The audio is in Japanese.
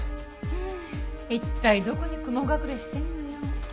うーん一体どこに雲隠れしてんのよ。